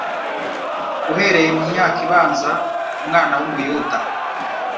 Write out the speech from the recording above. Uhereye mu myaka ibanza, umwana w'Umuyuda